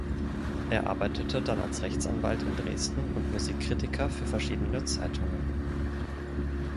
Er arbeitete dann als Rechtsanwalt in Dresden und Musikkritiker für verschiedene Zeitungen.